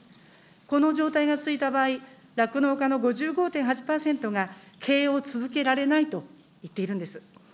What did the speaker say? この状態が続いた場合、酪農家の５５．８％が経営を続けられないと言っているんです。